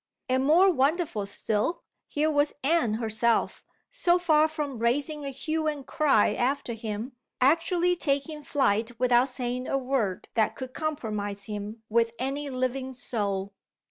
And, more wonderful still, here was Anne herself so far from raising a hue and cry after him actually taking flight without saying a word that could compromise him with any living soul!